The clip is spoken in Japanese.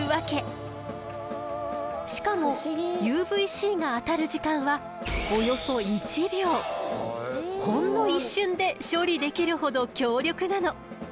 しかもＵＶーＣが当たる時間はほんの一瞬で処理できるほど強力なの。